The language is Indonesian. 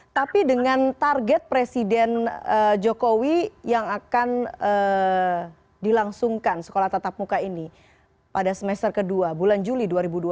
tapi dengan target presiden jokowi yang akan dilangsungkan sekolah tatap muka ini pada semester kedua bulan juli dua ribu dua puluh